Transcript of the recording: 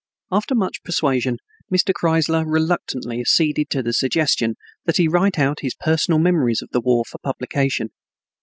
After much persuasion, Mr. Kreisler reluctantly acceded to the suggestion that he write out his personal memories of the war for publication.